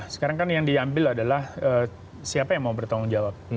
sekarang kan yang diambil adalah siapa yang mau bertanggung jawab